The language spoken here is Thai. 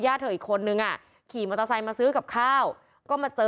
เธออีกคนนึงอ่ะขี่มอเตอร์ไซค์มาซื้อกับข้าวก็มาเจอ